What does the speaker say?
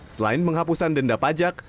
selain penghapusan denda pajak